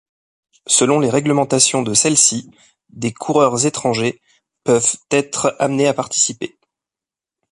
Selon les réglementations de celles-ci, des coureurs étrangers peuvent être amenés à participer.